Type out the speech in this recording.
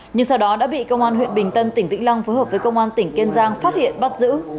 nhưng sau đó đã bị công an huyện bình tân tỉnh vĩnh long phối hợp với công an tỉnh kiên giang phát hiện bắt giữ